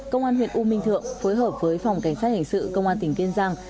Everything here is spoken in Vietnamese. công an huyện u minh thượng phối hợp với phòng cảnh sát hình sự công an tỉnh kiên giang